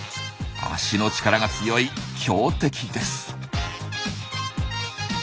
脚の力が強い強敵です。